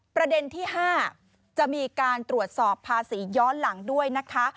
ประเด็นที่๕จะมีการตรวจสอบภาษีย้อนหลังด้วยนะคะ